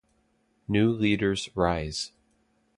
New leaders rise—